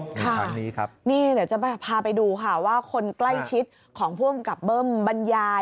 ในครั้งนี้ครับนี่เดี๋ยวจะพาไปดูค่ะว่าคนใกล้ชิดของภูมิกับเบิ้มบรรยาย